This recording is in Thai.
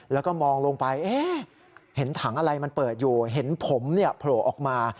แล้วก็มองลงไปเอ๊ะเห็นถังอะไรมันเปิดอยู่เห็นผมโผล่ออกมา